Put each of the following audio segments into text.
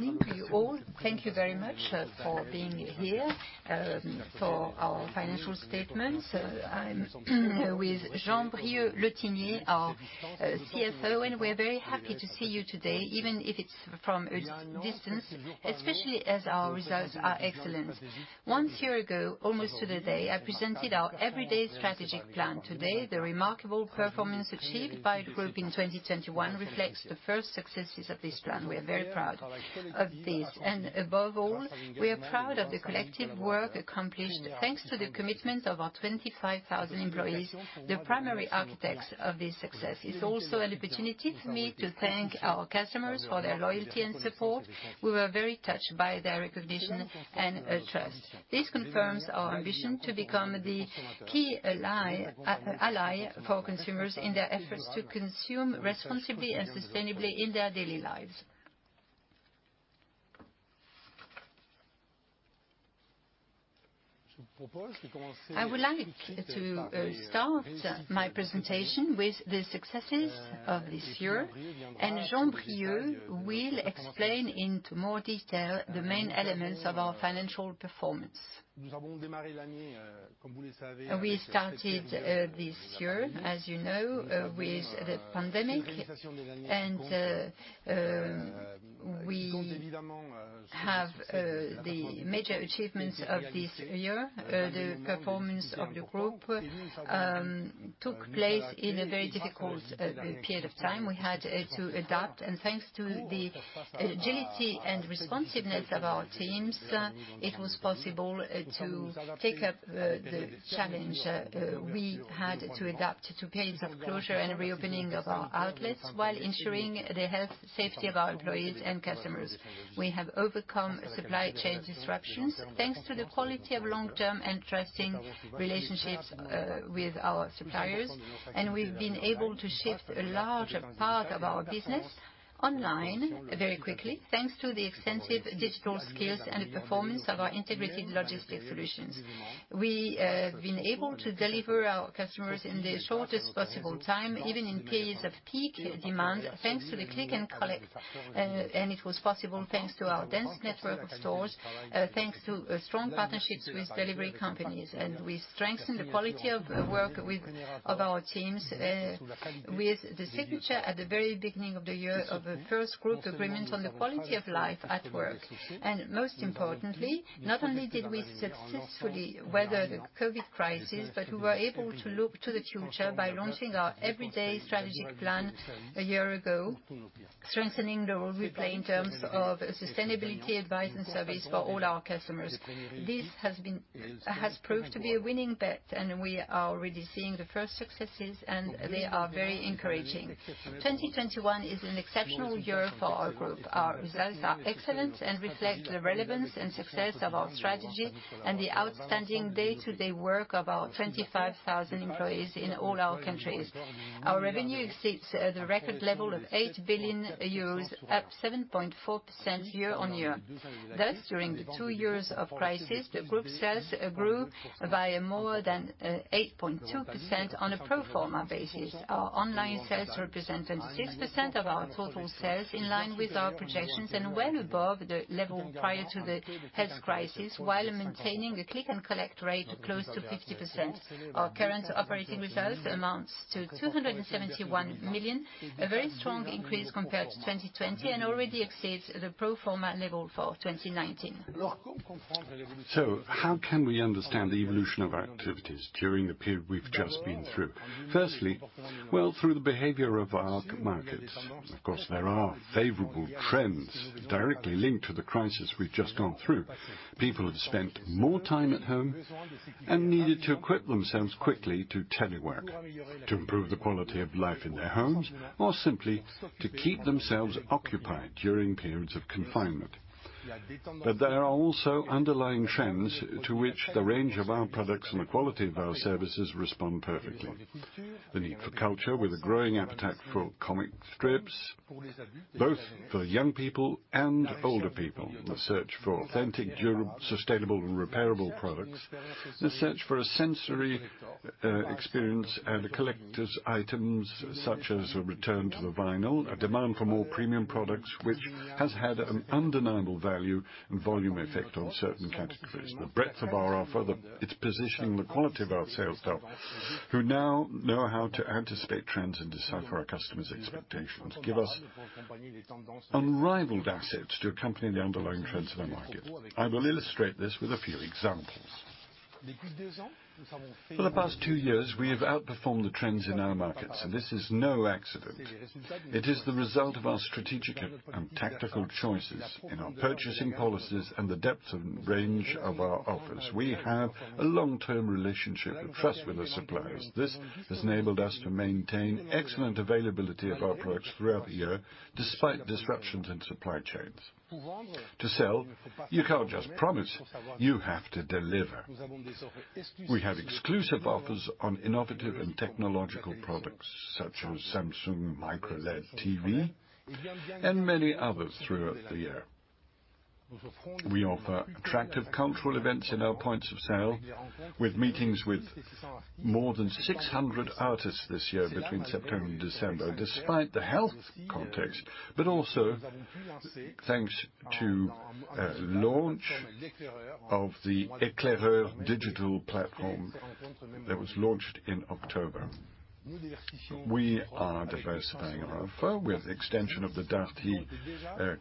Morning to you all. Thank you very much for being here for our financial statement. I'm with Jean-Brieuc Le Tinier, our CFO, and we're very happy to see you today, even if it's from a distance, especially as our results are excellent. One year ago, almost to the day, I presented our Everyday Strategic Plan. Today, the remarkable performance achieved by the group in 2021 reflects the first successes of this plan. We are very proud of this. Above all, we are proud of the collective work accomplished thanks to the commitment of our 25,000 employees, the primary architects of this success. It's also an opportunity for me to thank our customers for their loyalty and support. We were very touched by their recognition and trust. This confirms our ambition to become the key ally for consumers in their efforts to consume responsibly and sustainably in their daily lives. I would like to start my presentation with the successes of this year, and Jean-Brieuc will explain in more detail the main elements of our financial performance. We started this year, as you know, with the pandemic and we have the major achievements of this year. The performance of the group took place in a very difficult period of time. We had to adapt, and thanks to the agility and responsiveness of our teams, it was possible to take up the challenge. We had to adapt to periods of closure and reopening of our outlets while ensuring the health and safety of our employees and customers. We have overcome supply chain disruptions thanks to the quality of long-term and trusting relationships with our suppliers, and we've been able to shift a large part of our business online very quickly thanks to the extensive digital skills and the performance of our integrated logistic solutions. We have been able to deliver our customers in the shortest possible time, even in periods of peak demand, thanks to the click and collect. It was possible thanks to our dense network of stores, thanks to strong partnerships with delivery companies. We strengthened the quality of work of our teams with the signature at the very beginning of the year of a first group agreement on the quality of life at work. Most importantly, not only did we successfully weather the COVID crisis, but we were able to look to the future by launching our Everyday Strategic Plan a year ago, strengthening the role we play in terms of sustainability advice and service for all our customers. This has proved to be a winning bet, and we are already seeing the first successes, and they are very encouraging. 2021 is an exceptional year for our group. Our results are excellent and reflect the relevance and success of our strategy and the outstanding day-to-day work of our 25,000 employees in all our countries. Our revenue exceeds the record level of 8 billion euros, up 7.4% year-on-year. Thus, during the two years of crisis, the group sales grew by more than 8.2% on a pro forma basis. Our online sales represent 6% of our total sales, in line with our projections and well above the level prior to the health crisis, while maintaining a click and collect rate close to 50%. Our current operating results amounts to 271 million, a very strong increase compared to 2020 and already exceeds the pro forma level for 2019. How can we understand the evolution of our activities during the period we've just been through? Firstly, well, through the behavior of our markets. Of course, there are favorable trends directly linked to the crisis we've just gone through. People have spent more time at home and needed to equip themselves quickly to telework, to improve the quality of life in their homes, or simply to keep themselves occupied during periods of confinement. But there are also underlying trends to which the range of our products and the quality of our services respond perfectly. The need for culture, with a growing appetite for comic strips, both for young people and older people. The search for authentic, durable, sustainable and repairable products. The search for a sensory experience and collector's items, such as a return to the vinyl. A demand for more premium products, which has had an undeniable value and volume effect on certain categories. The breadth of our offer, its positioning, the quality of our sales staff, who now know how to anticipate trends and decipher our customers' expectations, give us unrivaled assets to accompany the underlying trends of the market. I will illustrate this with a few examples. For the past two years, we have outperformed the trends in our markets, and this is no accident. It is the result of our strategic and tactical choices in our purchasing policies and the depth and range of our offers. We have a long-term relationship of trust with our suppliers. This has enabled us to maintain excellent availability of our products throughout the year, despite disruptions in supply chains. To sell, you can't just promise, you have to deliver. We have exclusive offers on innovative and technological products, such as Samsung MicroLED TV and many others throughout the year. We offer attractive cultural events in our points of sale with meetings with more than 600 artists this year between September and December, despite the health context, but also thanks to a launch of the L'Éclaireur digital platform that was launched in October. We are diversifying our offer with extension of the Darty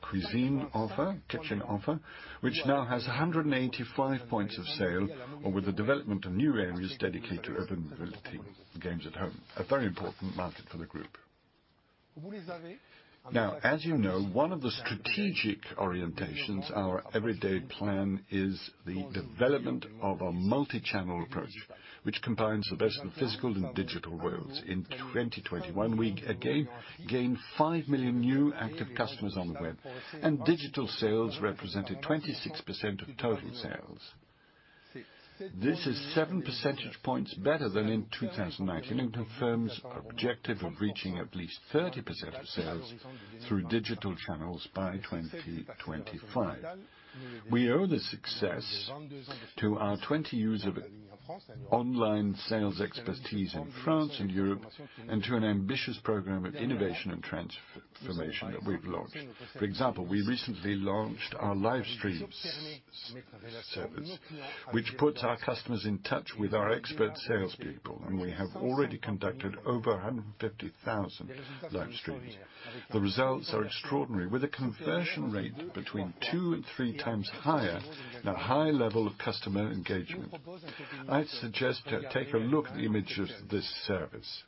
Cuisine offer, kitchen offer, which now has 185 points of sale, or with the development of new areas dedicated to living room TV, games at home, a very important market for the group. Now, as you know, one of the strategic orientations of our Everyday plan is the development of a multi-channel approach, which combines the best of the physical and digital worlds. In 2021, we again gained 5 million new active customers on the web, and digital sales represented 26% of total sales. This is seven percentage points better than in 2019. It confirms our objective of reaching at least 30% of sales through digital channels by 2025. We owe this success to our 20 years of online sales expertise in France and Europe and to an ambitious program of innovation and transformation that we've launched. For example, we recently launched our live streams service, which puts our customers in touch with our expert salespeople, and we have already conducted over 150,000 live streams. The results are extraordinary, with a conversion rate between two to three times higher and a high level of customer engagement. I'd suggest to take a look at the image of this service.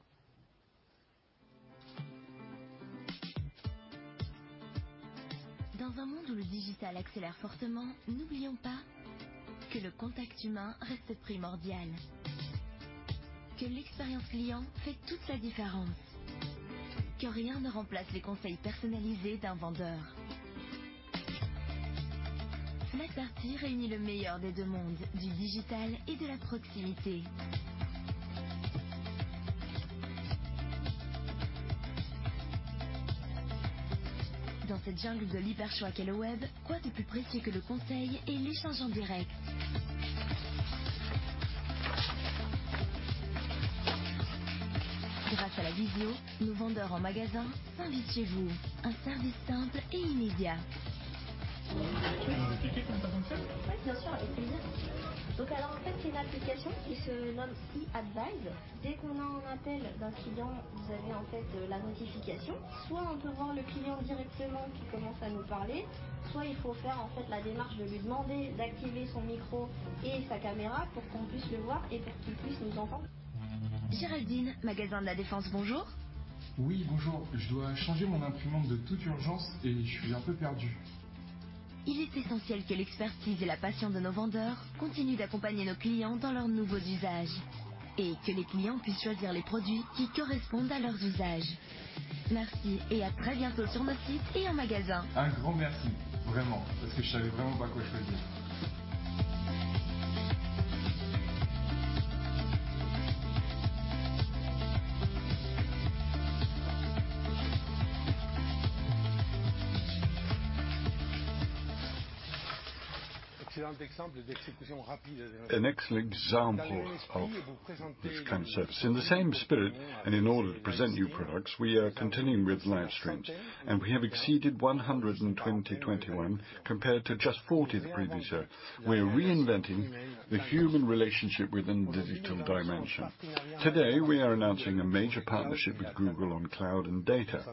An excellent example of this kind of service. In the same spirit, and in order to present new products, we are continuing with live streams, and we have exceeded 100 in 2021 compared to just 40 the previous year. We are reinventing the human relationship within the digital dimension. Today, we are announcing a major partnership with Google on cloud and data.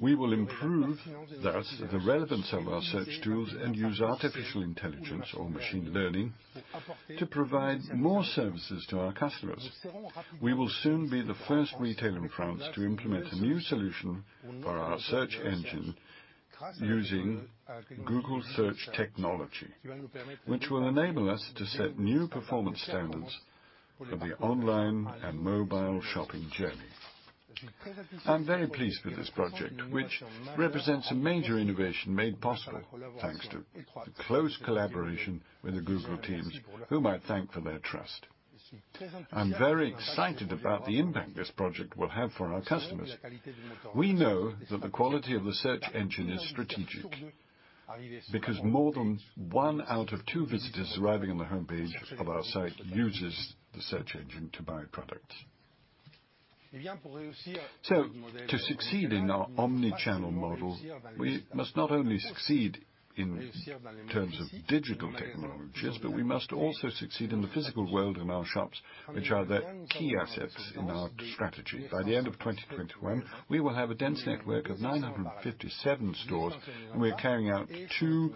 We will improve, thus, the relevance of our search tools and use artificial intelligence or machine learning to provide more services to our customers. We will soon be the first retailer in France to implement a new solution for our search engine using Google Search technology, which will enable us to set new performance standards for the online and mobile shopping journey. I'm very pleased with this project, which represents a major innovation made possible thanks to the close collaboration with the Google teams, whom I thank for their trust. I'm very excited about the impact this project will have for our customers. We know that the quality of the search engine is strategic, because more than one out of two visitors arriving on the homepage of our site uses the search engine to buy products. To succeed in our omni-channel model, we must not only succeed in terms of digital technologies, but we must also succeed in the physical world in our shops, which are the key assets in our strategy. By the end of 2021, we will have a dense network of 957 stores, and we are carrying out two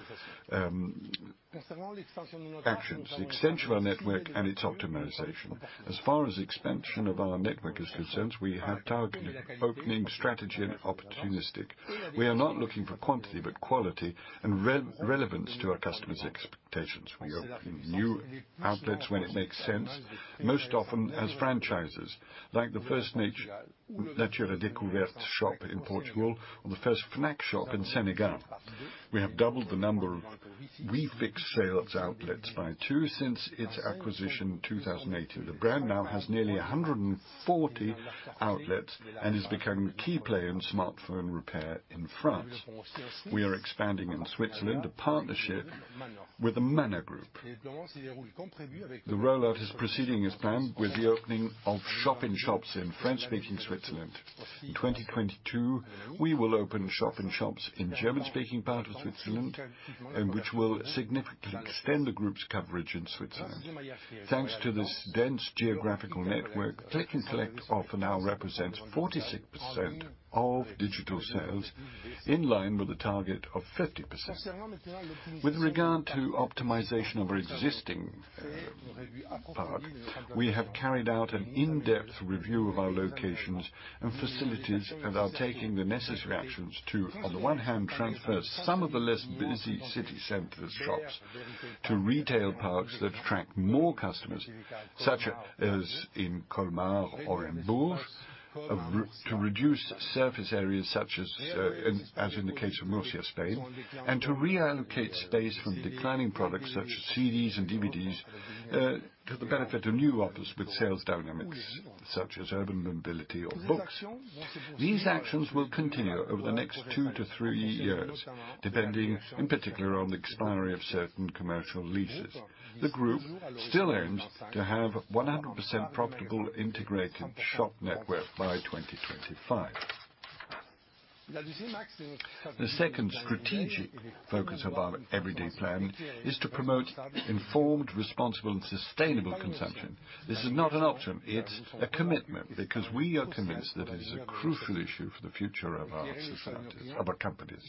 actions, extension of our network and its optimization. As far as expansion of our network is concerned, we have a targeted opening strategy and opportunistic. We are not looking for quantity, but quality and relevance to our customers' expectations. We open new outlets when it makes sense, most often as franchises, like the first Nature et Découvertes shop in Portugal or the first Fnac shop in Senegal. We have doubled the number of WeFix sales outlets by two since its acquisition in 2018. The brand now has nearly 140 outlets and is becoming a key player in smartphone repair in France. We are expanding in Switzerland through a partnership with the Manor Group. The rollout is proceeding as planned with the opening of shop-in-shops in French-speaking Switzerland. In 2022, we will open shop-in-shops in German-speaking part of Switzerland, which will significantly extend the group's coverage in Switzerland. Thanks to this dense geographical network, click and collect offer now represents 46% of digital sales, in line with the target of 50%. With regard to optimization of our existing footprint, we have carried out an in-depth review of our locations and facilities, and are taking the necessary actions to, on the one hand, transfer some of the less busy city center shops to retail parks that attract more customers, such as in Colmar or in Bourges, to reduce surface areas such as in the case of Murcia, Spain, and to reallocate space from declining products such as CDs and DVDs to the benefit of new offers with sales dynamics, such as urban mobility or books. These actions will continue over the next two to three years, depending in particular on the expiry of certain commercial leases. The group still aims to have 100% profitable integrated shop network by 2025. The second strategic focus of our Everyday plan is to promote informed, responsible, and sustainable consumption. This is not an option, it's a commitment, because we are convinced that it is a crucial issue for the future of our societies, of our companies.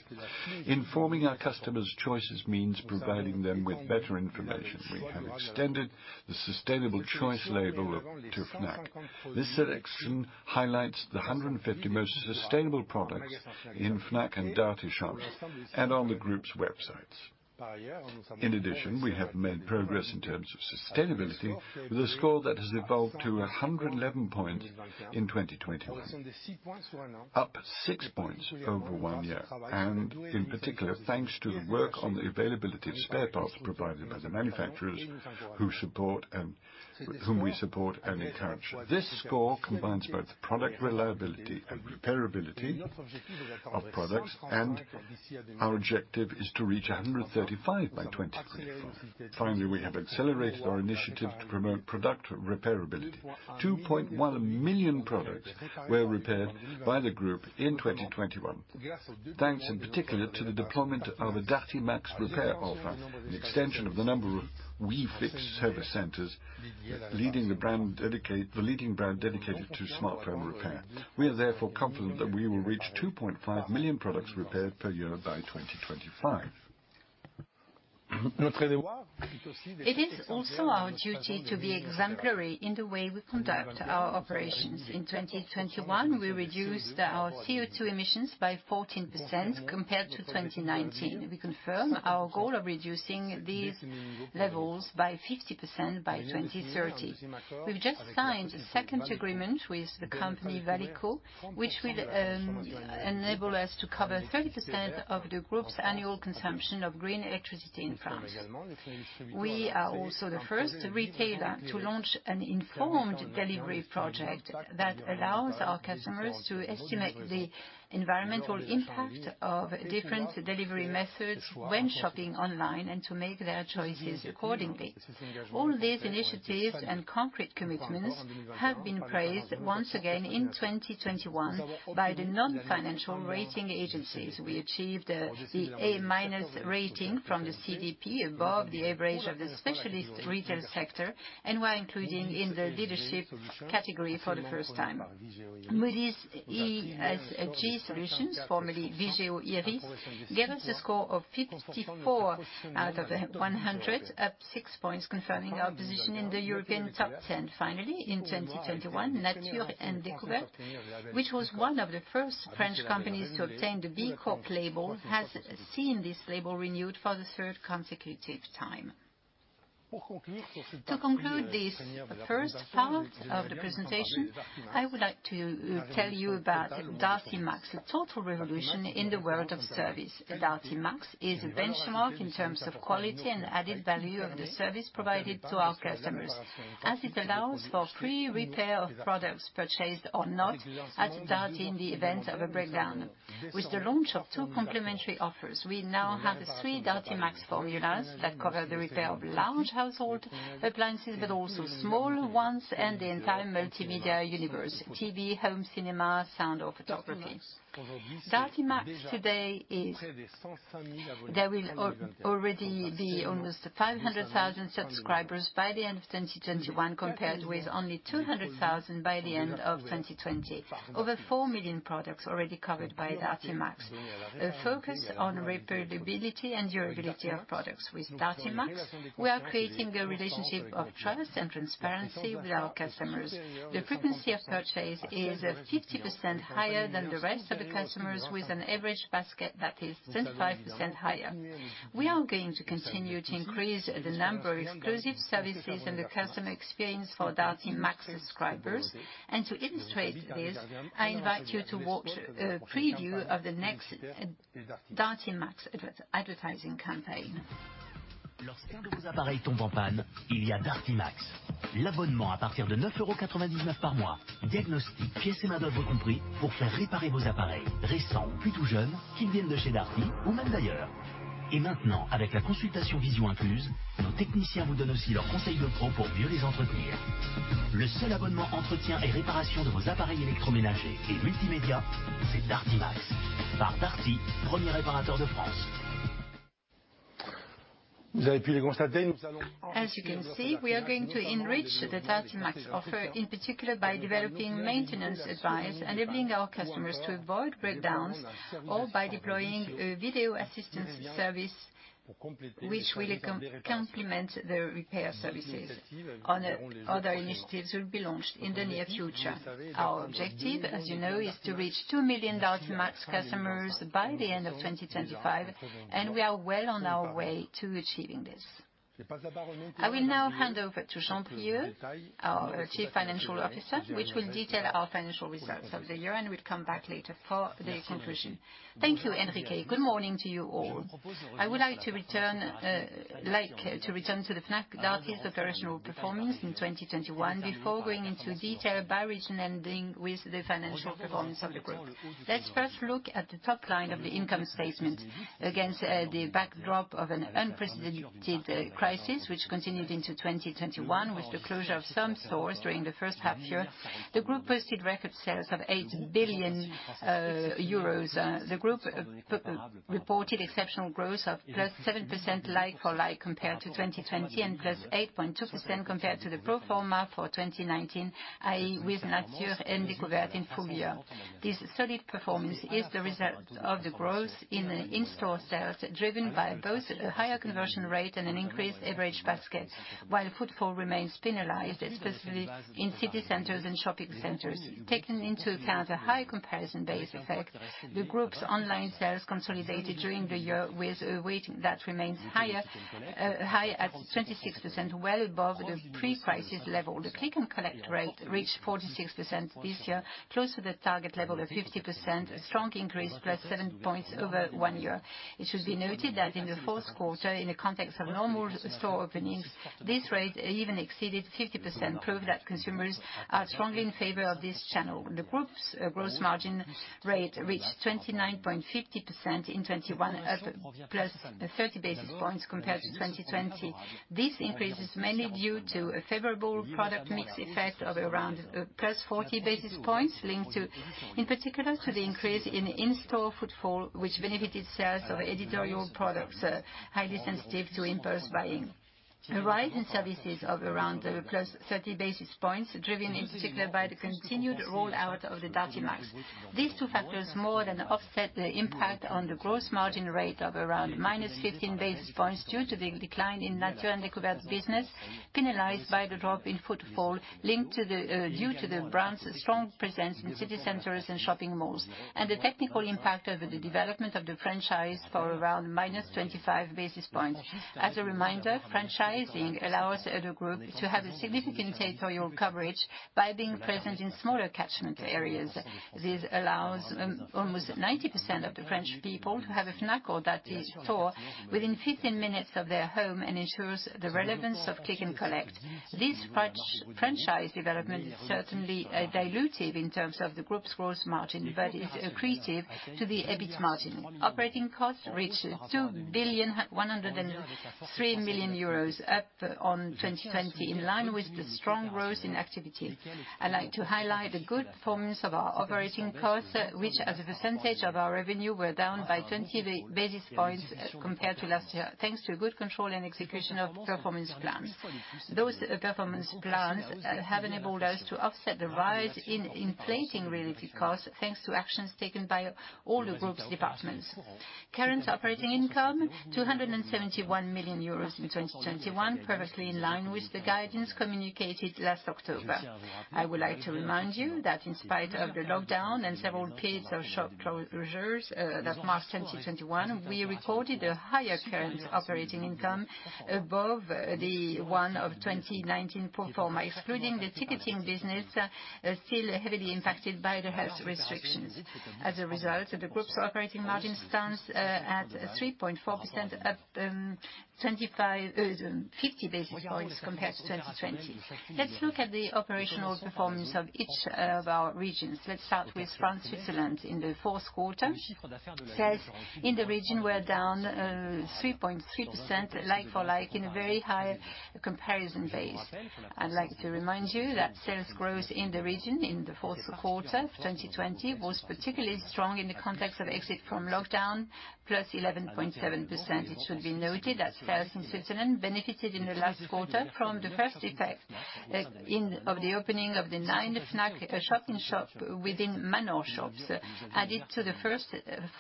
Informing our customers' choices means providing them with better information. We have extended the Sustainable Choice label to Fnac. This selection highlights the 150 most sustainable products in Fnac and Darty shops, and on the group's websites. In addition, we have made progress in terms of sustainability with a score that has evolved to a 111 point in 2021. Up six points over one year, and in particular, thanks to the work on the availability of spare parts provided by the manufacturers who support and, whom we support and encourage. This score combines both product reliability and repairability of products. Our objective is to reach 135 by 2025. Finally, we have accelerated our initiative to promote product repairability. 2.1 million products were repaired by the group in 2021. Thanks in particular to the deployment of a Darty Max repair offer, an extension of the number of WeFix service centers, leading the brand dedicated to smartphone repair. We are therefore confident that we will reach 2.5 million products repaired per year by 2025. It is also our duty to be exemplary in the way we conduct our operations. In 2021, we reduced our CO2 emissions by 14% compared to 2019. We confirm our goal of reducing these levels by 50% by 2030. We've just signed a second agreement with the company Valeco, which will enable us to cover 30% of the group's annual consumption of green electricity in France. We are also the first retailer to launch an informed delivery project that allows our customers to estimate the environmental impact of different delivery methods when shopping online, and to make their choices accordingly. All these initiatives and concrete commitments have been praised once again in 2021 by the non-financial rating agencies. We achieved the A-minus rating from the CDP above the average of the specialist retail sector, and were included in the leadership category for the first time. Moody's ESG Solutions, formerly Vigeo Eiris, gave us a score of 54 out of 100, up six points, confirming our position in the European top ten. Finally, in 2021, Nature et Découvertes, which was one of the first French companies to obtain the B Corp label, has seen this label renewed for the third consecutive time. To conclude this first part of the presentation, I would like to tell you about Darty Max, a total revolution in the world of service. Darty Max is a benchmark in terms of quality and added value of the service provided to our customers, as it allows for free repair of products purchased or not at Darty in the event of a breakdown. With the launch of two complementary offers, we now have three Darty Max formulas that cover the repair of large household appliances, but also small ones, and the entire multimedia universe, TV, home cinema, sound, or photography. There will already be almost 500,000 subscribers by the end of 2021, compared with only 200,000 by the end of 2020. Over 4 million products already covered by Darty Max. A focus on repairability and durability of products. With Darty Max, we are creating a relationship of trust and transparency with our customers. The frequency of purchase is 50% higher than the rest of the customers, with an average basket that is 25% higher. We are going to continue to increase the number of exclusive services and the customer experience for Darty Max subscribers. To illustrate this, I invite you to watch a preview of the next Darty Max advertising campaign. As you can see, we are going to enrich the Darty Max offer, in particular by developing maintenance advice, enabling our customers to avoid breakdowns, or by deploying a video assistance service which will complement the repair services. Other initiatives will be launched in the near future. Our objective, as you know, is to reach 2 million Darty Max customers by the end of 2025, and we are well on our way to achieving this. I will now hand over to Jean-Pierre, our Chief Financial Officer, which will detail our financial results of the year, and we'll come back later for the conclusion. Thank you, Enrique. Good morning to you all. I would like to return to the Fnac Darty's operational performance in 2021 before going into detail by region, ending with the financial performance of the group. Let's first look at the top line of the income statement. Against the backdrop of an unprecedented crisis, which continued into 2021, with the closure of some stores during the first half year, the group posted record sales of 8 billion euros. The group reported exceptional growth of +7% like for like compared to 2020, and +8.2% compared to the pro forma for 2019, i.e., with Nature et Découvertes in full year. This solid performance is the result of the growth in in-store sales, driven by both a higher conversion rate and an increased average basket, while footfall remains penalized, especially in city centers and shopping centers. Taking into account the high comparison base effect, the group's online sales consolidated during the year with a weight that remains higher, high at 26%, well above the pre-crisis level. The click-and-collect rate reached 46% this year, close to the target level of 50%, a strong increase +7 points over one year. It should be noted that in the fourth quarter, in the context of normal store openings, this rate even exceeded 50%, proof that consumers are strongly in favor of this channel. The group's gross margin rate reached 29.50% in 2021, up +30 basis points compared to 2020. This increase is mainly due to a favorable product mix effect of around +40 basis points, linked to, in particular, to the increase in in-store footfall, which benefited sales of editorial products, highly sensitive to impulse buying. A rise in services of around +30 basis points, driven in particular by the continued rollout of the Darty Max. These two factors more than offset the impact on the gross margin rate of around -15 basis points due to the decline in Nature & Découvertes business, penalized by the drop in footfall due to the brand's strong presence in city centers and shopping malls, and the technical impact of the development of the franchise for around -25 basis points. As a reminder, franchising allows the group to have a significant territorial coverage by being present in smaller catchment areas. This allows almost 90% of the French people to have a Fnac or Darty store within 15 minutes of their home and ensures the relevance of click and collect. This franchise development is certainly dilutive in terms of the group's gross margin, but is accretive to the EBIT margin. Operating costs reached 2,103 million euros, up on 2020, in line with the strong growth in activity. I'd like to highlight the good performance of our operating costs, which as a percentage of our revenue were down by 20 basis points compared to last year, thanks to good control and execution of performance plans. Those performance plans have enabled us to offset the rise in inflation-related costs, thanks to actions taken by all the group's departments. Current operating income, 271 million euros in 2021, perfectly in line with the guidance communicated last October. I would like to remind you that in spite of the lockdown and several weeks of shop closures that marked 2021, we recorded a higher current operating income above the one of 2019 pro forma, excluding the ticketing business still heavily impacted by the health restrictions. As a result, the group's operating margin stands at 3.4%, up 50 basis points compared to 2020. Let's look at the operational performance of each of our regions. Let's start with France, Switzerland in the fourth quarter. Sales in the region were down 3.3% like for like in a very high comparison base. I'd like to remind you that sales growth in the region in the fourth quarter of 2020 was particularly strong in the context of exit from lockdown, +11.7%. It should be noted that sales in Switzerland benefited in the last quarter from the first effect of the opening of the nine Fnac shop-in-shops within Manor shops, added to the first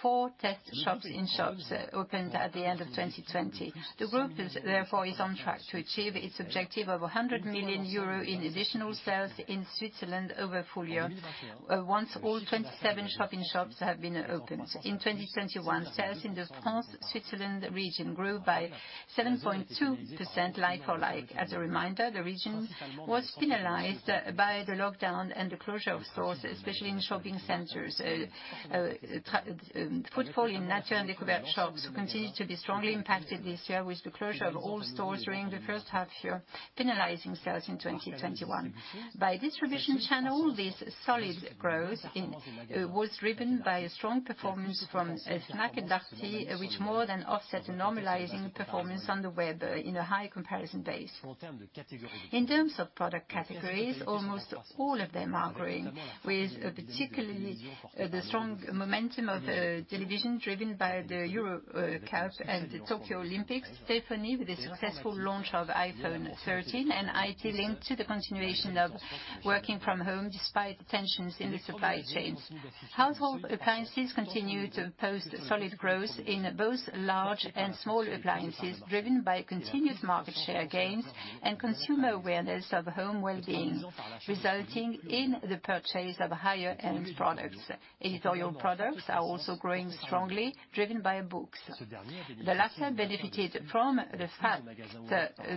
four test shops-in-shops opened at the end of 2020. The group is, therefore, on track to achieve its objective of 100 million euro in additional sales in Switzerland over the full year once all 27 shop-in-shops have been opened. In 2021, sales in the France/Switzerland region grew by 7.2% like-for-like. As a reminder, the region was penalized by the lockdown and the closure of stores, especially in shopping centers. Footfall in Nature et Découvertes shops continued to be strongly impacted this year with the closure of all stores during the first half year, penalizing sales in 2021. By distribution channel, this solid growth in was driven by a strong performance from Fnac and Darty, which more than offset a normalizing performance on the web in a high comparison base. In terms of product categories, almost all of them are growing with particularly the strong momentum of television driven by the Euro Cup and the Tokyo Olympics. Telephony, with the successful launch of iPhone 13, and IT linked to the continuation of working from home despite tensions in the supply chains. Household appliances continue to post solid growth in both large and small appliances, driven by continuous market share gains and consumer awareness of home well-being, resulting in the purchase of higher-end products. Editorial products are also growing strongly, driven by books. The latter benefited from the fact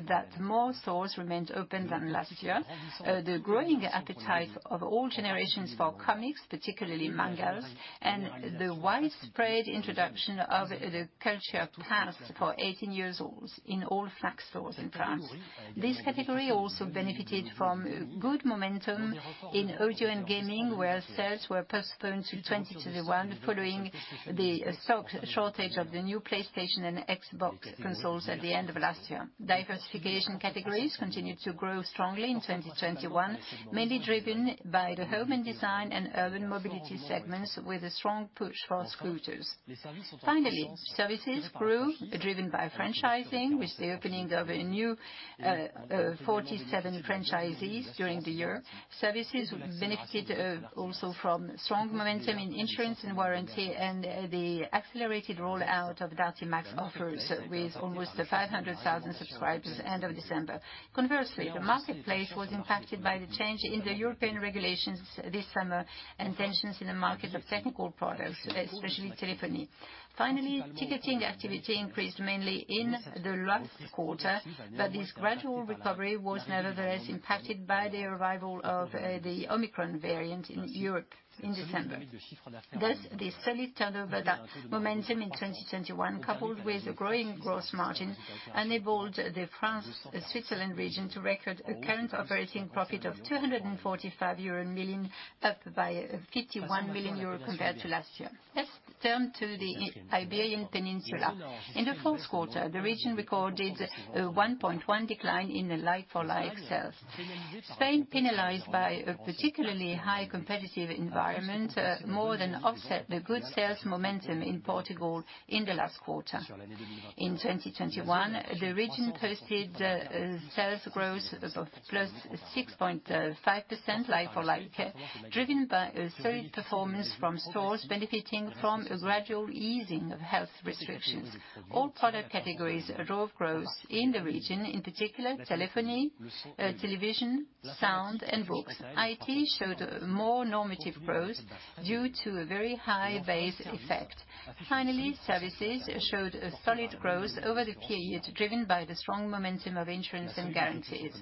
that more stores remained open than last year, the growing appetite of all generations for comics, particularly mangas, and the widespread introduction of the Culture Pass for 18-year-olds in all Fnac stores in France. This category also benefited from good momentum in audio and gaming, where sales were postponed to 2021 following the stock shortage of the new PlayStation and Xbox consoles at the end of last year. Diversification categories continued to grow strongly in 2021, mainly driven by the home and design and urban mobility segments with a strong push for scooters. Finally, services grew, driven by franchising with the opening of a new 47 franchisees during the year. Services benefited also from strong momentum in insurance and warranty and the accelerated rollout of Darty Max offers with almost 500,000 subscribers end of December. Conversely, the marketplace was impacted by the change in the European regulations this summer and tensions in the market of technical products, especially telephony. Finally, ticketing activity increased mainly in the last quarter, but this gradual recovery was nevertheless impacted by the arrival of the Omicron variant in Europe in December. Thus, the solid turnover momentum in 2021, coupled with the growing gross margin, enabled the France-Switzerland region to record a current operating profit of 245 million euro, up by 51 million euro compared to last year. Let's turn to the Iberian Peninsula. In the fourth quarter, the region recorded a 1.1% decline in the like-for-like sales. Spain, penalized by a particularly high competitive environment, more than offset the good sales momentum in Portugal in the last quarter. In 2021, the region posted sales growth of +6.5% like-for-like, driven by a solid performance from stores benefiting from a gradual easing of health restrictions. All product categories drove growth in the region, in particular telephony, television, sound and books. IT showed more normative growth due to a very high base effect. Finally, services showed a solid growth over the period, driven by the strong momentum of insurance and guarantees.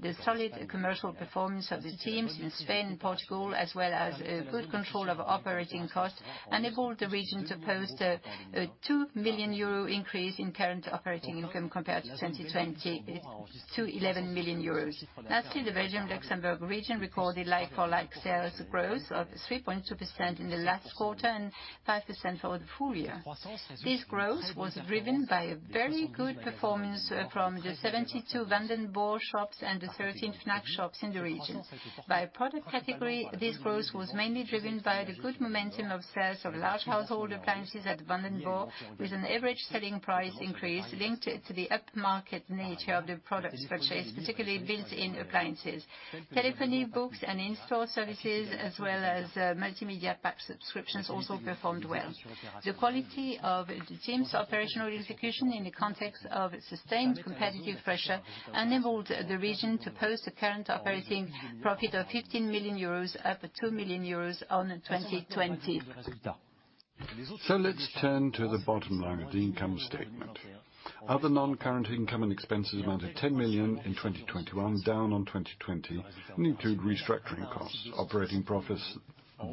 The solid commercial performance of the teams in Spain and Portugal, as well as good control of operating costs, enabled the region to post a 2 million euro increase in current operating income compared to 2020 to 11 million euros. Lastly, the Belgium-Luxembourg region recorded like-for-like sales growth of 3.2% in the last quarter and 5% for the full year. This growth was driven by a very good performance from the 72 Vanden Borre shops and the 13 Fnac shops in the region. By product category, this growth was mainly driven by the good momentum of sales of large household appliances at Vanden Borre, with an average selling price increase linked to the upmarket nature of the products purchased, particularly built-in appliances. Telephony, books, and in-store services as well as multimedia pack subscriptions also performed well. The quality of the team's operational execution in the context of sustained competitive pressure enabled the region to post a current operating profit of 15 million euros up 2 million euros on 2020. Let's turn to the bottom line of the income statement. Other non-current income and expenses amounted to 10 million in 2021, down on 2020, and include restructuring costs. Operating profits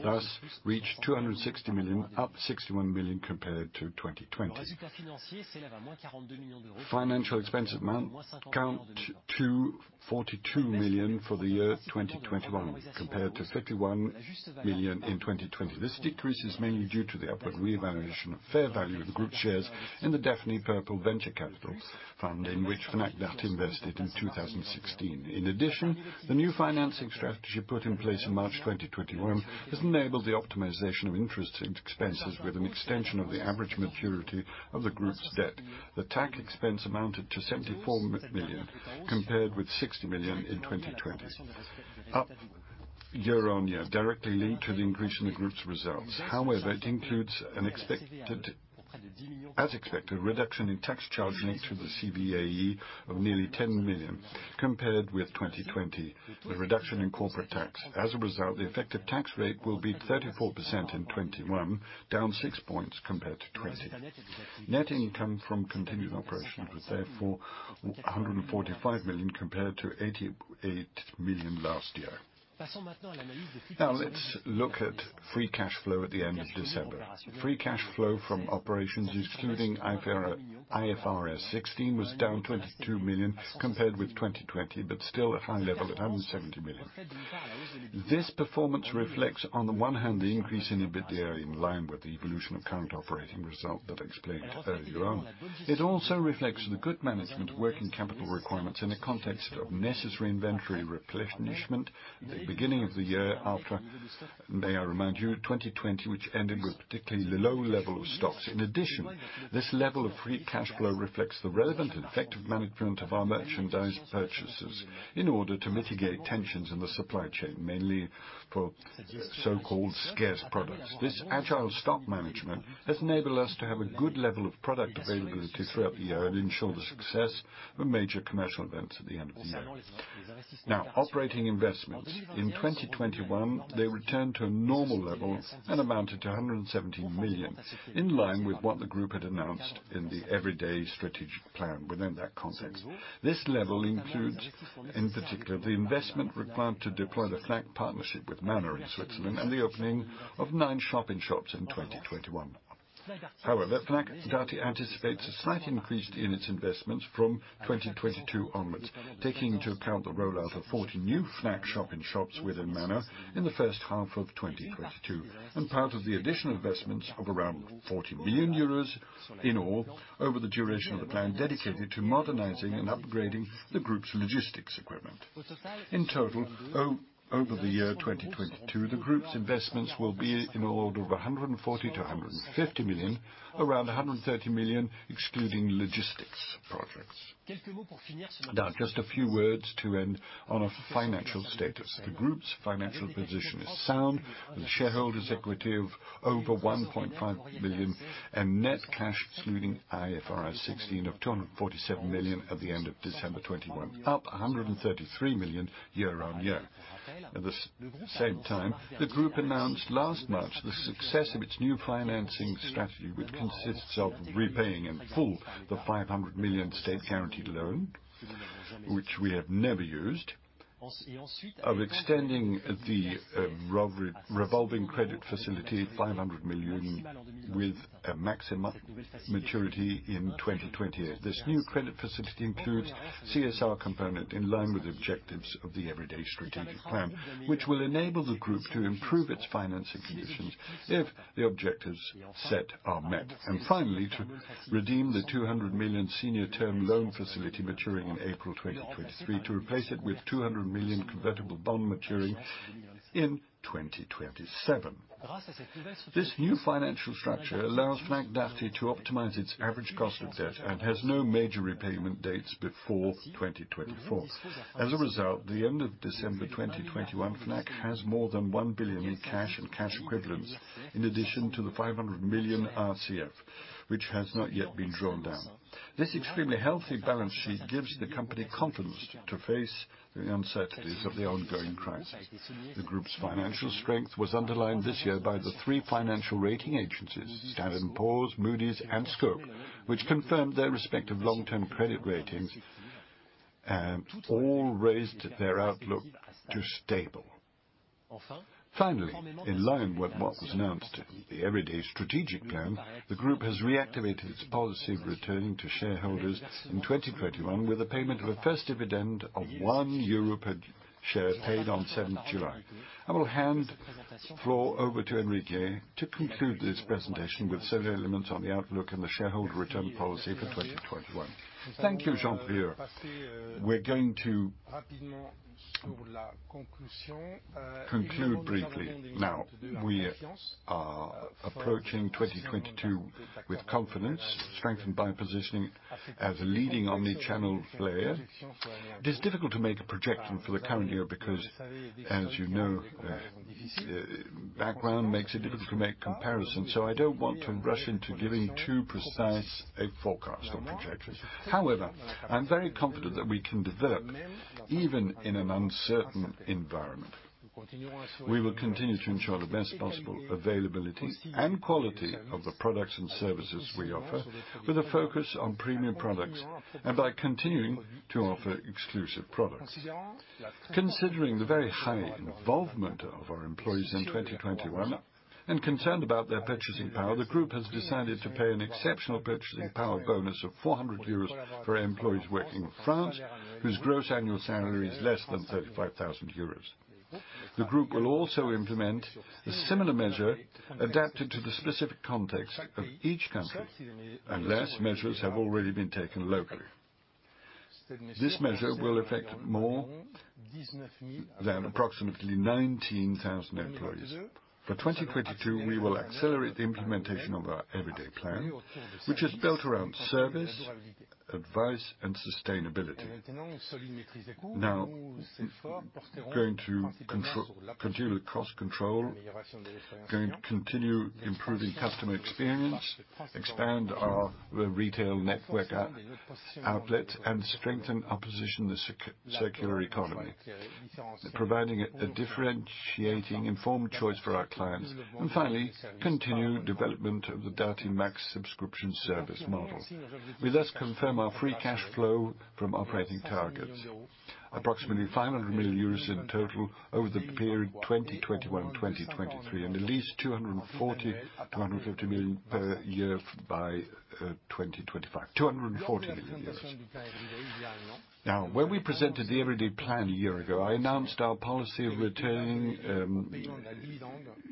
thus reached 260 million, up 61 million compared to 2020. Financial expenses amounted to 42 million for the year 2021 compared to 51 million in 2020. This decrease is mainly due to the upward revaluation of fair value of the group shares in the Daphni Purple venture capital fund in which Fnac Darty invested in 2016. In addition, the new financing strategy put in place in March 2021 has enabled the optimization of interest expenses with an extension of the average maturity of the group's debt. The tax expense amounted to 74 million, compared with 60 million in 2020, up year-on-year directly linked to the increase in the group's results. However, it includes an expected, as expected reduction in tax charge linked to the CVAE of nearly 10 million compared with 2020. The reduction in corporate tax as a result, the effective tax rate will be 34% in 2021, down six points compared to 2020. Net income from continuing operation was therefore 145 million compared to 88 million last year. Now let's look at free cash flow at the end of December. Free cash flow from operations excluding IFRS 16 was down 22 million compared with 2020, but still a high level at 170 million. This performance reflects on the one hand, the increase in EBITDA in line with the evolution of current operating result that explained earlier on. It also reflects the good management working capital requirements in a context of necessary inventory replenishment at the beginning of the year after, may I remind you, 2020 which ended with particularly low level of stocks. In addition, this level of free cash flow reflects the relevant and effective management of our merchandise purchases in order to mitigate tensions in the supply chain, mainly for so-called scarce products. This agile stock management has enabled us to have a good level of product availability throughout the year and ensure the success of major commercial events at the end of the year. Now operating investments. In 2021, they returned to a normal level and amounted to 117 million, in line with what the group had announced in the Everyday strategic plan within that context. This level includes, in particular, the investment required to deploy the Fnac partnership with Manor in Switzerland and the opening of nine shop in shops in 2021. However, Fnac Darty anticipates a slight increase in its investments from 2022 onwards, taking into account the rollout of 40 new Fnac shop in shops within Manor in the first half of 2022. Part of the additional investments of around 40 million euros in all over the duration of the plan dedicated to modernizing and upgrading the group's logistics equipment. In total, over the year 2022, the group's investments will be in the order of 140 million-150 million, around 130 million excluding logistics projects. Now just a few words to end on a financial status. The group's financial position is sound, with a shareholders' equity of over 1.5 billion and net cash excluding IFRS 16 of 247 million at the end of December 2021, up 133 million year on year. At the same time, the group announced last March the success of its new financing strategy, which consists of repaying in full the 500 million state guaranteed loan, which we have never used, of extending the revolving credit facility 500 million with a maximum maturity in 2028. This new credit facility includes CSR component in line with objectives of the Everyday strategic plan, which will enable the group to improve its financing conditions if the objectives set are met. Finally, to redeem the 200 million senior term loan facility maturing in April 2023 to replace it with 200 million convertible bond maturing in 2027. This new financial structure allows Fnac Darty to optimize its average cost of debt and has no major repayment dates before 2024. As a result, at the end of December 2021, Fnac Darty has more than 1 billion in cash and cash equivalents in addition to the 500 million RCF, which has not yet been drawn down. This extremely healthy balance sheet gives the company confidence to face the uncertainties of the ongoing crisis. The group's financial strength was underlined this year by the three financial rating agencies, Standard & Poor's, Moody's, and Scope, which confirmed their respective long-term credit ratings and all raised their outlook to stable. Finally, in line with what was announced in the Everyday strategic plan, the group has reactivated its policy of returning to shareholders in 2021 with the payment of a first dividend of 1 euro per share paid on July 7. I will hand the floor over to Henri de to conclude this presentation with several elements on the outlook and the shareholder return policy for 2021. Thank you, Jean-Pierre. We're going to conclude briefly. Now, we are approaching 2022 with confidence, strengthened by positioning as a leading omni-channel player. It is difficult to make a projection for the current year because, as you know, background makes it difficult to make comparison. I don't want to rush into giving too precise a forecast or projection. However, I'm very confident that we can develop even in an uncertain environment. We will continue to ensure the best possible availability and quality of the products and services we offer with a focus on premium products and by continuing to offer exclusive products. Considering the very high involvement of our employees in 2021 and concerned about their purchasing power, the group has decided to pay an exceptional purchasing power bonus of 40 euros for employees working in France whose gross annual salary is less than 35,000 euros. The group will also implement a similar measure adapted to the specific context of each country unless measures have already been taken locally. This measure will affect more than approximately 19,000 employees. For 2022, we will accelerate the implementation of our Everyday plan, which is built around service, advice and sustainability. We are going to continue the cost control, going to continue improving customer experience, expand our retail network and outlets, and strengthen our position in the second-hand circular economy. Providing a differentiating informed choice for our clients, and finally, continue development of the Darty Max subscription service model. We thus confirm our free cash flow from operating targets. Approximately 500 million euros in total over the period 2021-2023, and at least 240 million-250 million per year by 2025. 240 million euros. When we presented the Everyday plan a year ago, I announced our policy of reinstating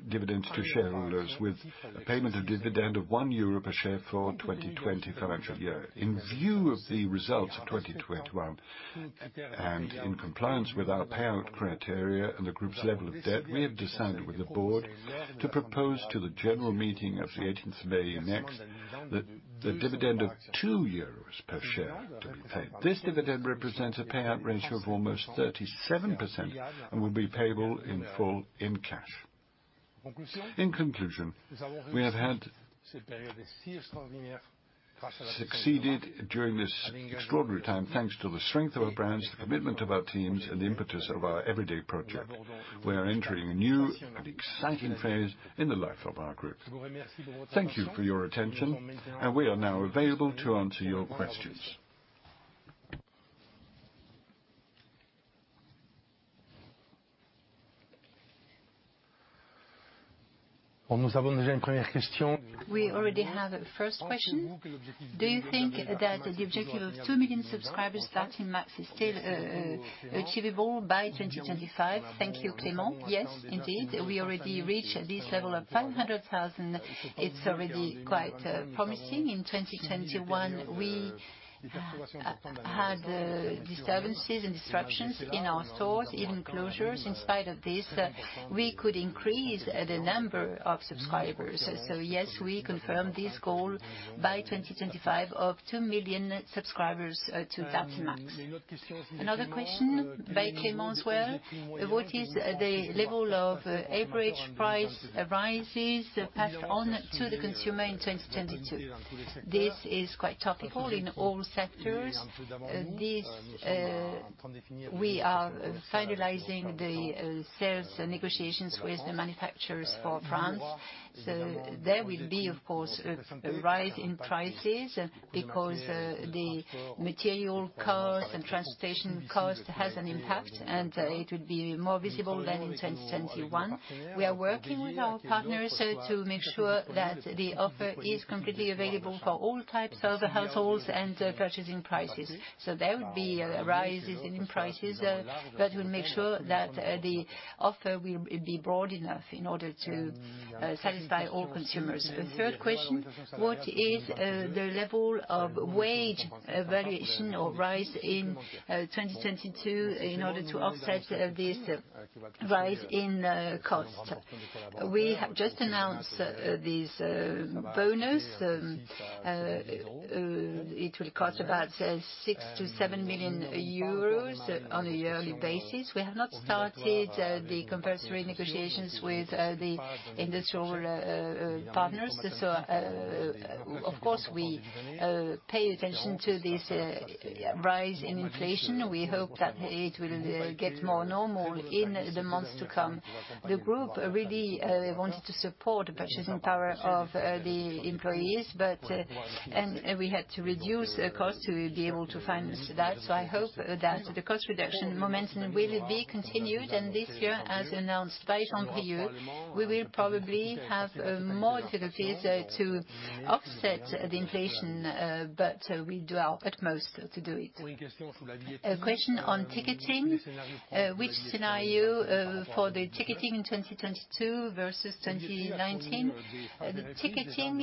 dividends to shareholders with a payment of dividend of 1 euro per share for 2020 financial year. In view of the results of 2021, and in compliance with our payout criteria and the group's level of debt, we have decided with the board to propose to the general meeting of the 18th of May next, that the dividend of 2 euros per share be paid. This dividend represents a payout ratio of almost 37% and will be payable in full in cash. In conclusion, we have succeeded during this extraordinary time, thanks to the strength of our brands, the commitment of our teams, and the impetus of our Everyday project. We are entering a new and exciting phase in the life of our group. Thank you for your attention, and we are now available to answer your questions. We already have a first question. Do you think that the objective of 2 million subscribers Darty Max is still achievable by 2025?Thank you, Clement. Yes, indeed. We already reached this level of 500,000. It's already quite promising. In 2021, we had disturbances and disruptions in our stores, even closures. In spite of this, we could increase the number of subscribers. Yes, we confirm this goal by 2025 of 2 million subscribers to Darty Max. Another question by Clement as well. What is the level of average price rises passed on to the consumer in 2022? This is quite topical in all sectors. This, we are finalizing the sales negotiations with the manufacturers for France. There will be, of course, a rise in prices because the material cost and transportation cost has an impact, and it will be more visible than in 2021. We are working with our partners to make sure that the offer is completely available for all types of households and purchasing prices. There will be rises in prices, but we'll make sure that the offer will be broad enough in order to satisfy all consumers. A third question: What is the level of wage evaluation or rise in 2022 in order to offset this rise in costs? We have just announced this bonus. It will cost about 6-7 million euros on a yearly basis. We have not started the compulsory negotiations with the industrial partners. Of course, we pay attention to this rise in inflation. We hope that it will get more normal in the months to come. The group really wanted to support the purchasing power of the employees, but we had to reduce costs to be able to finance that. I hope that the cost reduction momentum will be continued. This year, as announced by Jean-Brieuc Le Tinier, we will probably have more activities to offset the inflation, but we'll do our utmost to do it. A question on ticketing. Which scenario for the ticketing in 2022 versus 2019? The ticketing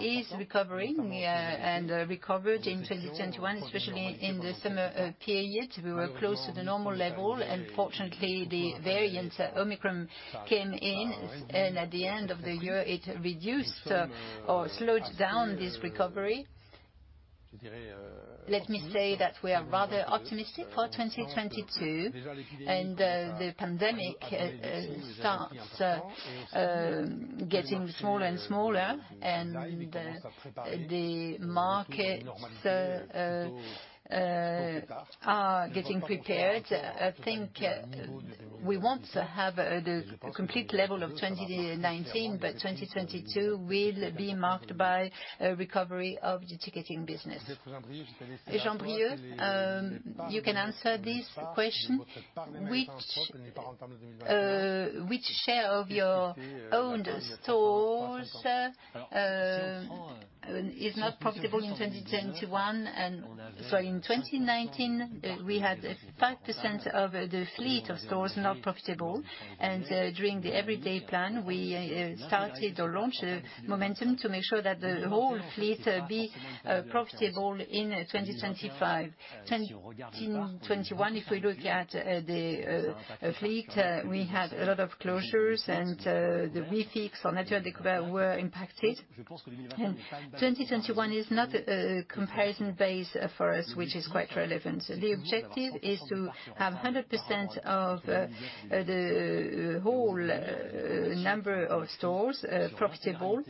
is recovering and recovered in 2021, especially in the summer period, we were close to the normal level. Unfortunately, the variant Omicron came in, and at the end of the year, it reduced or slowed down this recovery. Let me say that we are rather optimistic for 2022, and the pandemic starts getting smaller and smaller, and the markets are getting prepared. I think we won't have the complete level of 2019, but 2022 will be marked by a recovery of the ticketing business. Jean-Brieuc Le Tinier, you can answer this question. Which share of your owned stores is not profitable in 2021? In 2019, we had 5% of the fleet of stores not profitable. During the Everyday plan, we started or launched a momentum to make sure that the whole fleet be profitable in 2025.2021, if we look at the fleet, we had a lot of closures and the refit on Nature & Découvertes were impacted. 2021 is not a comparison base for us, which is quite relevant. The objective is to have 100% of the whole number of stores profitable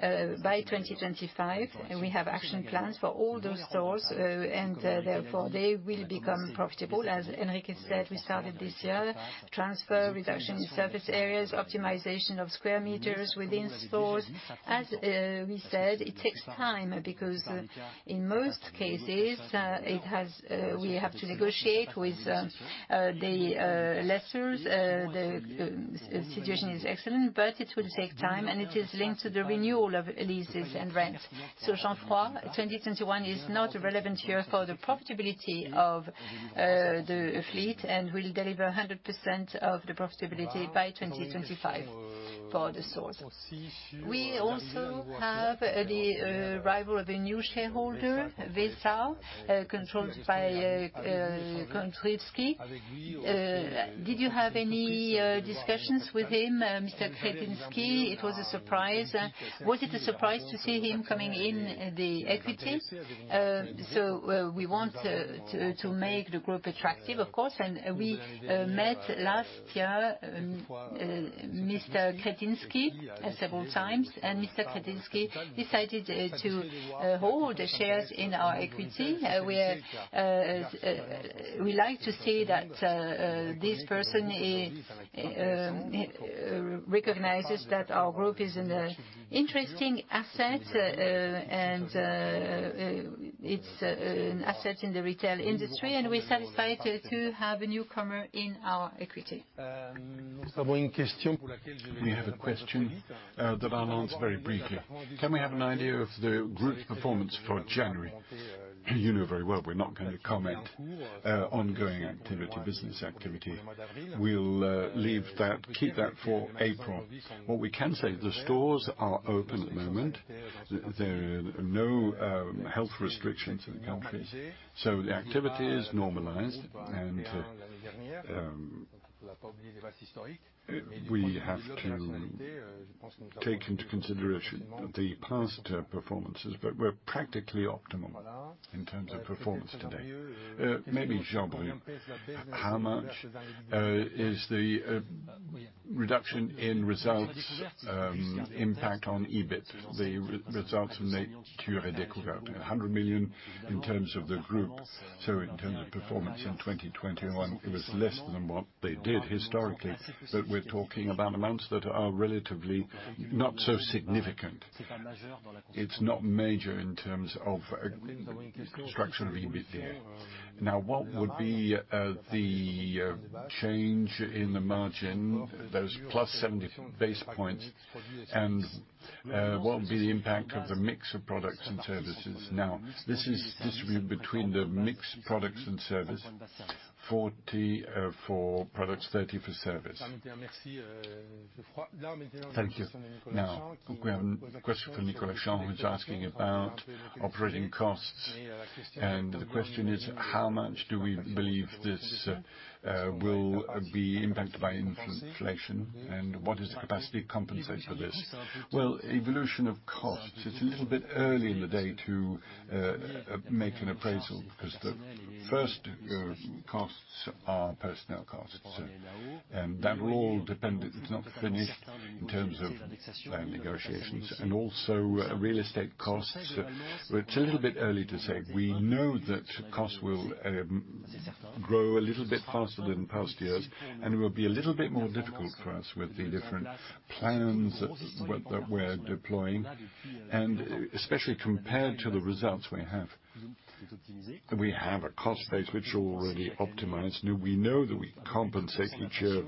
by 2025. We have action plans for all those stores and therefore they will become profitable. As Enrique said, we started this year, transfer, reduction in service areas, optimization of square meters within stores. As we said, it takes time because in most cases we have to negotiate with the lessors. The situation is excellent, but it will take time, and it is linked to the renewal of leases and rents. Jean-Brieuc Le Tinier, 2021 is not a relevant year for the profitability of the fleet and will deliver 100% of the profitability by 2025 for the stores. We also have the arrival of a new shareholder, Vesa, controlled by Kretinsky. Did you have any discussions with him, Mr. Kretinsky? It was a surprise. Was it a surprise to see him coming in the equity? We want to make the group attractive, of course. We met last year Mr. Kretinsky several times, and Mr. Kretinsky decided to hold the shares in our equity. We like to see that this person recognizes that our group is an interesting asset, and it's an asset in the retail industry, and we're satisfied to have a newcomer in our equity. We have a question that I'll answer very briefly. Can we have an idea of the group's performance for January? You know very well we're not gonna comment ongoing activity, business activity. We'll leave that, keep that for April. What we can say, the stores are open at the moment. There are no health restrictions in the country, so the activity is normalized. We have to take into consideration the past performances, but we're practically optimal in terms of performance today. Maybe, Jean, how much is the reduction in results impact on EBIT? The results from Nature et Découvertes. 100 million in terms of the group, so in terms of performance in 2021, it was less than what they did historically. We're talking about amounts that are relatively not so significant. It's not major in terms of structural EBITDA. Now, what would be the change in the margin, those plus 70 basis points, and what would be the impact of the mix of products and services? Now, this is distributed between the mix products and service, 40 for products, 30 for service. Thank you. Now we have a question from Nicolas Champ, who's asking about operating costs. The question is, how much do we believe this will be impacted by inflation, and what is the capacity to compensate for this? Well, evolution of costs, it's a little bit early in the day to make an appraisal, because the first costs are personnel costs, and that will all depend. It's not finished in terms of land negotiations and also real estate costs. It's a little bit early to say. We know that costs will grow a little bit faster than past years, and it will be a little bit more difficult for us with the different plans that we're deploying, and especially compared to the results we have. We have a cost base which is already optimized. Now we know that we compensate each year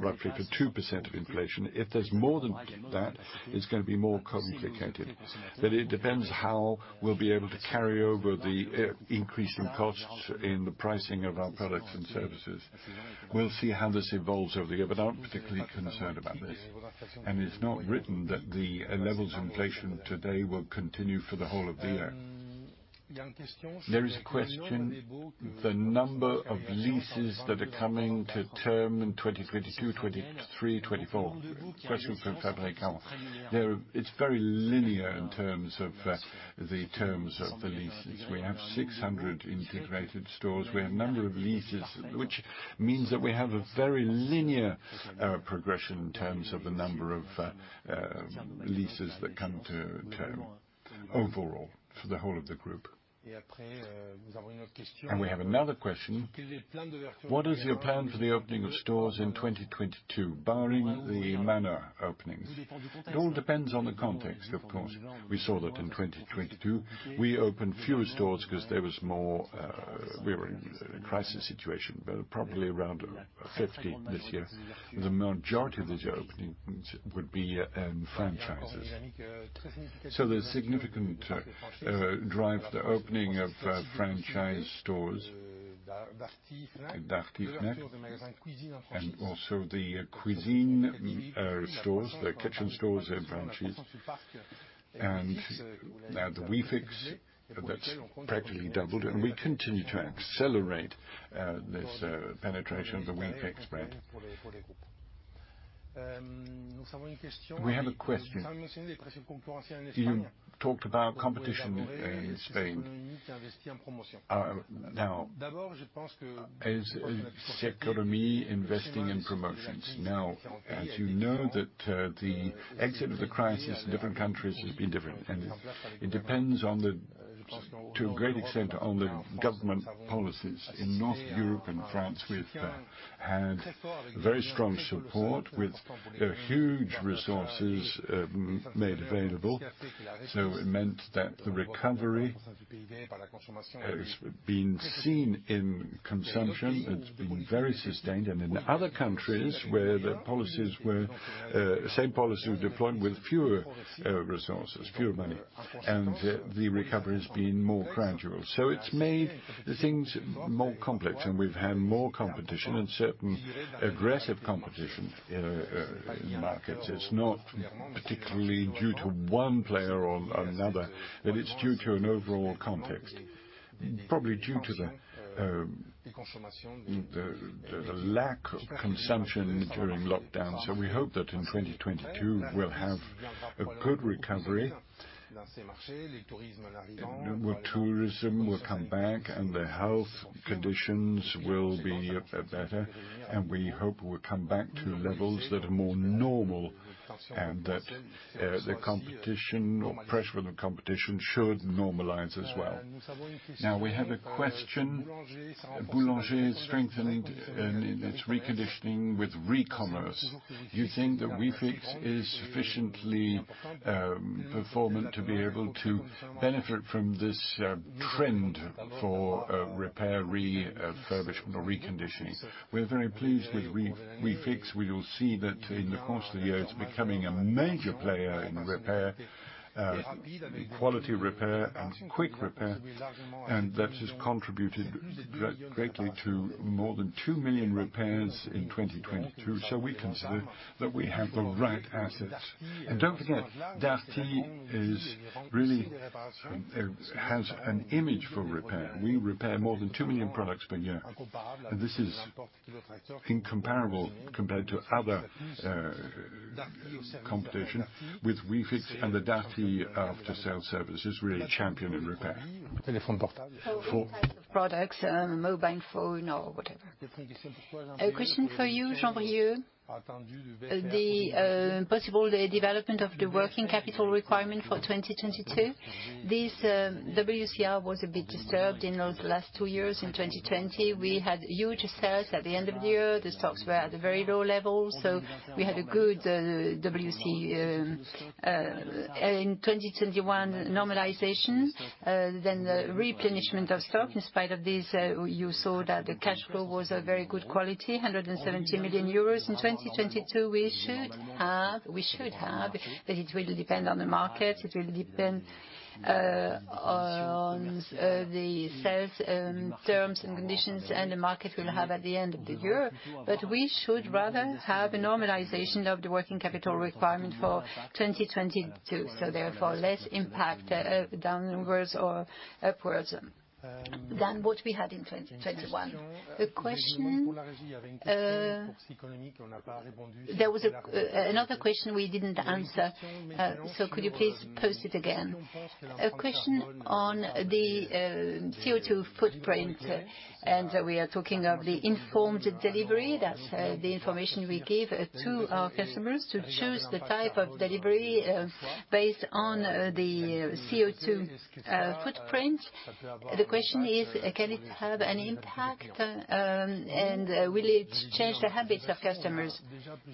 roughly for 2% of inflation. If there's more than that, it's gonna be more complicated. But it depends how we'll be able to carry over the increase in costs in the pricing of our products and services. We'll see how this evolves over the year, but I'm particularly concerned about this. It's not written that the levels of inflation today will continue for the whole of the year. There is a question, the number of leases that are coming to term in 2022, 2023, 2024. Question from Fabrice. It's very linear in terms of the terms of the leases. We have 600 integrated stores. We have a number of leases, which means that we have a very linear progression in terms of the number of leases that come to term overall for the whole of the group. We have another question: What is your plan for the opening of stores in 2022, barring the Manor openings? It all depends on the context, of course. We saw that in 2022, we opened fewer stores 'cause there was more. We were in a crisis situation, but probably around 50 this year. The majority of these openings would be franchises. There's significant drive to opening of franchise stores, Darty, Fnac, and also the Cuisines stores, the kitchen stores and franchises. The WeFix, that's practically doubled. We continue to accelerate this penetration of the WeFix brand. We have a question. You talked about competition in Spain. Now Amazon is investing in promotions. As you know that the exit of the crisis in different countries has been different, and it depends to a great extent on the government policies. In North Europe and France, we've had very strong support with huge resources made available. It meant that the recovery has been seen in consumption. It's been very sustained. In other countries where the policies were the same policies deployed with fewer resources, fewer money, and the recovery has been more gradual. It's made the things more complex, and we've had more competition and certain aggressive competition in the market. It's not particularly due to one player or another, but it's due to an overall context, probably due to the lack of consumption during lockdown. We hope that in 2022 we'll have a good recovery, and tourism will come back, and the health conditions will be better. We hope we'll come back to levels that are more normal and that the competition or pressure of the competition should normalize as well. Now we have a question. Boulanger is strengthening in its reconditioning with Recommerce. Do you think that WeFix is sufficiently performant to be able to benefit from this trend for repair, refurbishment or reconditioning? We're very pleased with WeFix.We will see that in the course of the year it's becoming a major player in repair, quality repair and quick repair, and that has contributed greatly to more than 2 million repairs in 2022. We consider that we have the right assets. Don't forget, Darty really has an image for repair. We repair more than 2 million products per year. This is incomparable compared to other competition. With WeFix and the Darty after-sale service is really champion in repair. For all types of products, mobile phone or whatever. A question for you, Jean-Brieuc. The possible development of the working capital requirement for 2022. This WCR was a bit disturbed in those last two years. In 2020, we had huge sales at the end of the year. The stocks were at a very low level, so we had a good WC. In 2021, normalization, then the replenishment of stock. In spite of this, you saw that the cash flow was a very good quality, 170 million euros in 2022. We should have, but it will depend on the market. It will depend on the sales terms and conditions and the market we'll have at the end of the year. We should rather have a normalization of the working capital requirement for 2022, so therefore less impact, downwards or upwards than what we had in 2021. A question. There was another question we didn't answer, so could you please pose it again? A question on the CO2 footprint, and we are talking of the Informed Delivery. That's the information we give to our customers to choose the type of delivery based on the CO2 footprint. The question is, can it have an impact, and will it change the habits of customers?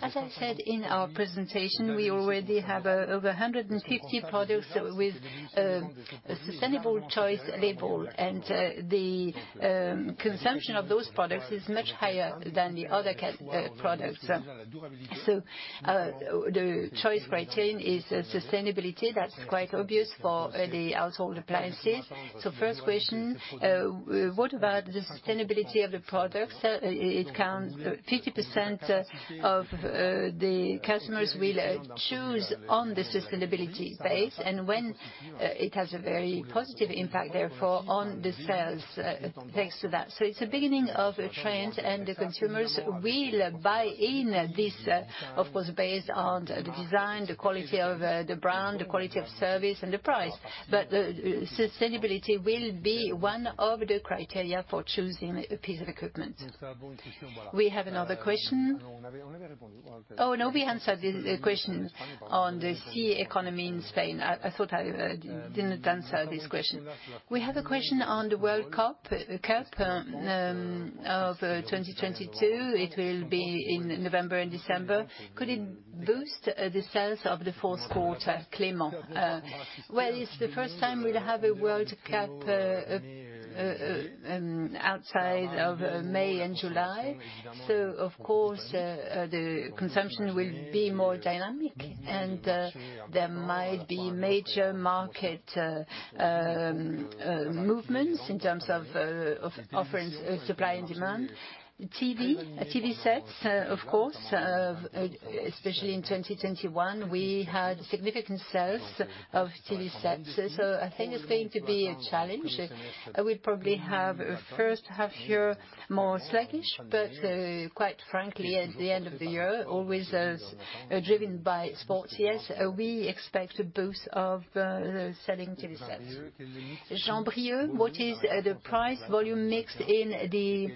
As I said in our presentation, we already have over 150 products with a Sustainable Choice label. The consumption of those products is much higher than the other products. The choice criterion is sustainability. That's quite obvious for the household appliances. First question, what about the sustainability of the products? It counts 50% of the customers will choose on the sustainability basis and when it has a very positive impact, therefore, on the sales, thanks to that. It's a beginning of a trend, and the consumers will buy in this, of course, based on the design, the quality of the brand, the quality of service and the price. Sustainability will be one of the criteria for choosing a piece of equipment. We have another question. Oh, no, we answered the question on the sea economy in Spain. I thought I didn't answer this question. We have a question on the World Cup of 2022. It will be in November and December. Could it boost the sales of the fourth quarter? Clement? Well, it's the first time we'll have a World Cup outside of May and July. So of course the consumption will be more dynamic, and there might be major market movements in terms of offering supply and demand. TV sets, of course, especially in 2021, we had significant sales of TV sets. So I think it's going to be a challenge. We'll probably have a first half year more sluggish, but quite frankly, at the end of the year, always driven by sports, yes, we expect a boost of the selling TV sets. Jean-Brieuc Le Tinier, what is the price volume mix in the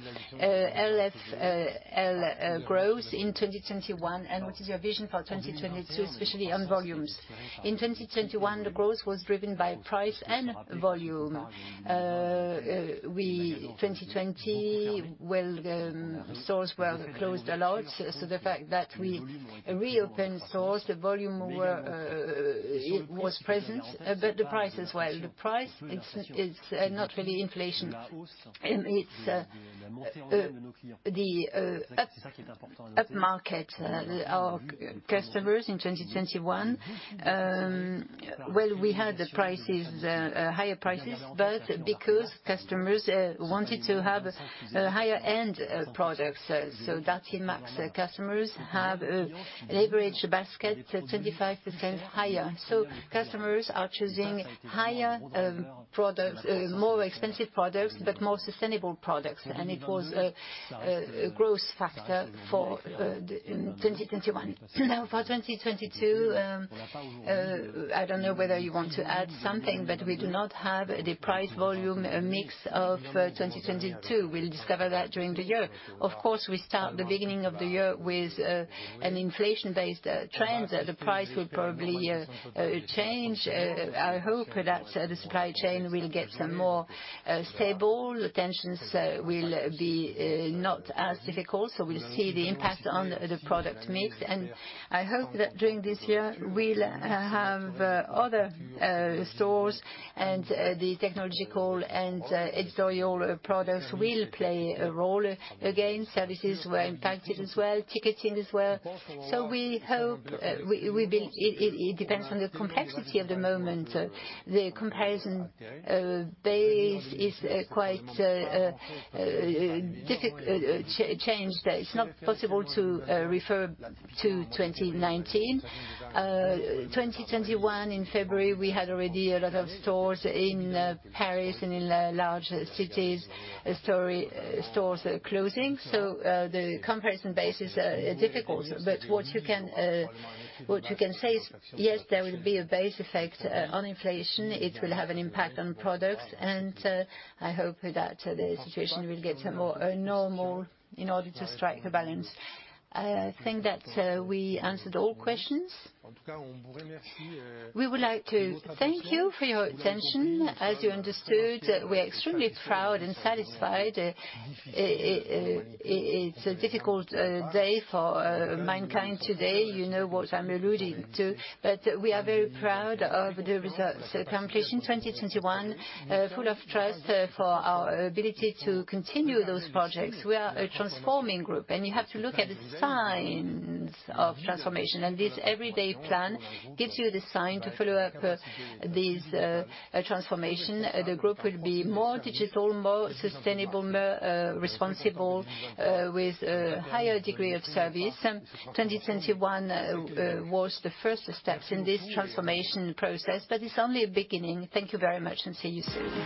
LFL growth in 2021? What is your vision for 2022, especially on volumes? In 2021, the growth was driven by price and volume. In 2020, stores were closed a lot, so the fact that we reopened stores, the volume were, it was present, but the price as well. The price, it's not really inflation. It's the upmarket. Our customers in 2021, we had higher prices, but because customers wanted to have higher-end products. So Darty Max customers have average basket 25% higher. So customers are choosing higher products, more expensive products, but more sustainable products. It was a growth factor for 2021. For 2022, I don't know whether you want to add something, but we do not have the price volume mix of 2022. We'll discover that during the year. Of course, we start the beginning of the year with an inflation-based trends. The price will probably change. I hope that the supply chain will get some more stable. The tensions will be not as difficult. We'll see the impact on the product mix. I hope that during this year we'll have other stores and the technological and editorial products will play a role again. Services were impacted as well, ticketing as well. We hope. It depends on the complexity of the moment. The comparison base is quite difficult change. That it's not possible to refer to 2019. 2021 in February, we had already a lot of stores in Paris and in large cities, stores closing. The comparison base is difficult. What you can say is, yes, there will be a base effect on inflation. It will have an impact on products, and I hope that the situation will get some more normal in order to strike a balance. I think that we answered all questions. We would like to thank you for your attention. As you understood, we're extremely proud and satisfied. It's a difficult day for mankind today. You know what I'm alluding to. We are very proud of the results completion 2021. Full of trust for our ability to continue those projects. We are a transforming group, and you have to look at the signs of transformation. This Everyday plan gives you the sign to follow up these transformation. The group will be more digital, more sustainable, more responsible with a higher degree of service. 2021 was the first steps in this transformation process, but it's only a beginning. Thank you very much, and see you soon.